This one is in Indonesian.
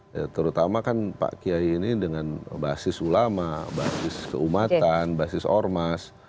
karena terutama pak kiai ini dengan basis ulama basis keumatan basis ormas